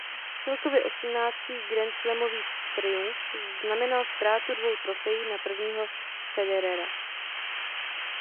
Celkově osmnáctý grandslamový triumf znamenal ztrátu dvou trofejí na prvního Federera.